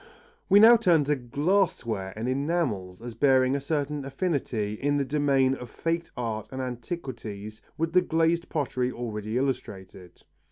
We now turn to glassware and enamels as bearing a certain affinity in the domain of faked art and antiquities with the glazed pottery already illustrated.